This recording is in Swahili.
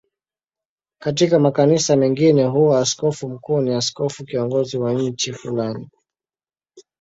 Katika makanisa mengine huwa askofu mkuu ni askofu kiongozi wa nchi fulani.